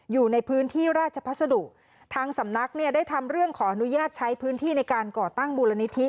อยู่ในพื้นที่ราชพัสดุทางสำนักเนี่ยได้ทำเรื่องขออนุญาตใช้พื้นที่ในการก่อตั้งมูลนิธิ